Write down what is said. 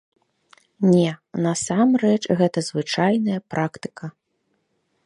Не, насамрэч гэта звычайная практыка.